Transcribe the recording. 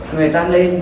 người ta lên